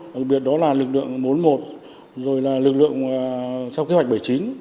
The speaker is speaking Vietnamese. đặc biệt đó là lực lượng bốn một rồi là lực lượng sau kế hoạch bảy chín